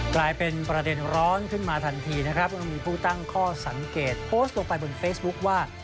กลายเป็นประเด็นร้อนขึ้นมาทันทีนะครับแล้วก็มีผู้ตั้งข้อสังเกตโพสต์ลงไปบนเฟซบุ๊คว่า